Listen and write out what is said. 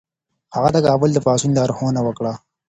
هغه د کابل د پاڅون لارښوونه وکړه.